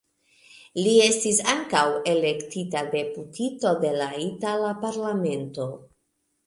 Li estis ankaŭ elektita deputito de la itala parlamento.